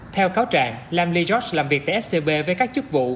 theo cáo trạng lam lee george làm việc tại scb với các chức vụ